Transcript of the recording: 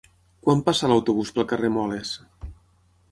Quan passa l'autobús pel carrer Moles?